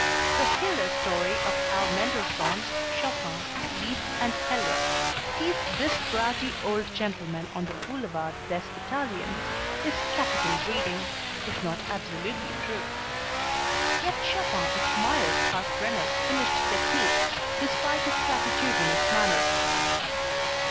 The Hiller story of how Mendelssohn, Chopin, Liszt and Heller teased this grouty old gentleman on the Boulevard des Italiens is capital reading, if not absolutely true. Yet Chopin admired Kalkbrenner's finished technique despite his platitudinous manner.